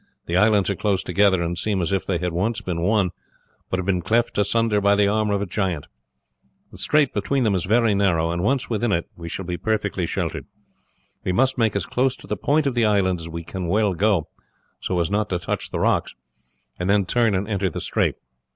"The islands are close together and seem as if they had once been one, but have been cleft asunder by the arm of a giant. The strait between them is very narrow, and once within it we shall be perfectly sheltered. We must make as close to the point of the island as we can well go, so as not to touch the rocks, and then turn and enter the strait.